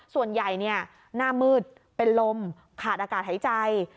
ส่วนใหญ่หน้ามืดเป็นลมขาดอากาศหายใจ